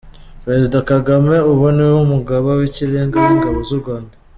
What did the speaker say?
Perezida Kagame ubu niwe mugaba w’Ikirenga w’ingabo z’u Rwanda.